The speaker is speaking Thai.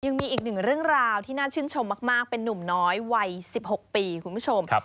ยังมีอีกหนึ่งเรื่องราวที่น่าชื่นชมมากเป็นนุ่มน้อยวัย๑๖ปีคุณผู้ชม